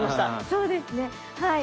そうですねはい。